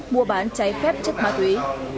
mua bán cháy phép chất ma túy